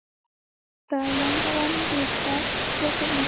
د اعلان دوام د خرڅ زیاتوي.